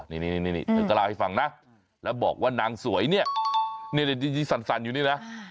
นี่เธอก็เล่าให้ฟังนะแล้วบอกว่านางสวยเนี่ยที่สั่นอยู่นี่นะ